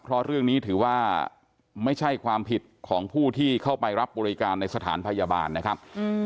เพราะเรื่องนี้ถือว่าไม่ใช่ความผิดของผู้ที่เข้าไปรับบริการในสถานพยาบาลนะครับ